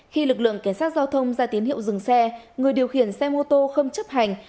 khi lực lượng cảnh sát giao thông ra tín hiệu dừng xe người điều khiển xe mô tô không chấp hành